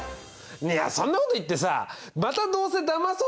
いやそんなこと言ってさまたどうせだまそうとしてない？